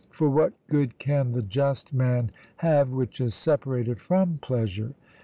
For what good can the just man have which is separated from pleasure?